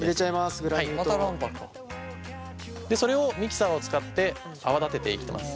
でそれをミキサーを使って泡立てていきます。